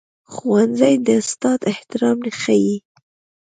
ښوونځی د استاد احترام ښيي